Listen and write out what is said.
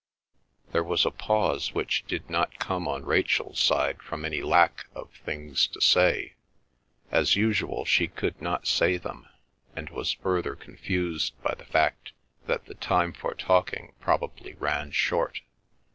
There was a pause, which did not come on Rachel's side from any lack of things to say; as usual she could not say them, and was further confused by the fact that the time for talking probably ran short.